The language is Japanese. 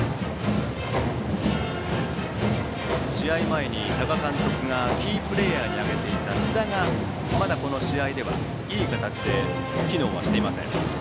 試合前に多賀監督がキープレーヤーに挙げていた津田が、まだこの試合ではいい形で機能はしていません。